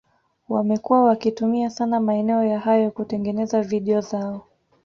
wamekuwa wakitumia sana maeneo ya hayo kutengeneza video zao